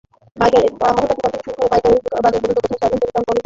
পাড়া-মহল্লার দোকান থেকে শুরু করে পাইকারি বাজার পর্যন্ত কোথাও সয়াবিন তেলের দাম কমেনি।